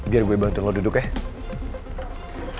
biar gue bantu lo duduk ya